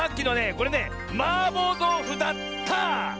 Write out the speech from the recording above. これねマーボーどうふだった！